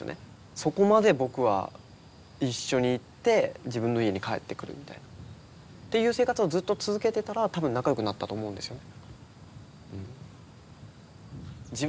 そこまで僕は一緒に行って自分の家に帰ってくるみたいなっていう生活をずっと続けてたら多分仲良くなったと思うんですよね。